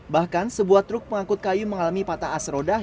bahkan sebuah truk pengakut kayu mengalami patah aserodah